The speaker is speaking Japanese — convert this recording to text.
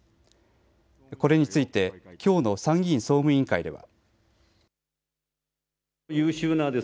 これについてきょうの参議院総務委員会では。